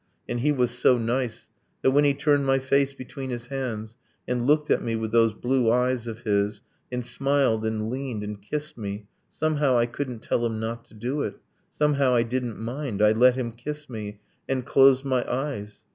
And he was so nice, That when he turned my face between his hands, And looked at me, with those blue eyes of his, And smiled, and leaned, and kissed me Somehow I couldn't tell him not to do it, Somehow I didn't mind, I let him kiss me, And closed my eyes!